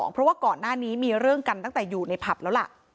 เพราะว่าก่อนหน้านี้มีเรื่องกันตั้งแต่อยู่ในผับแล้วล่ะ